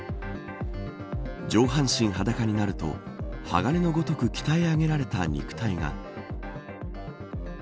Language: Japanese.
上半身裸になると鋼のごとく鍛え上げられた肉体が。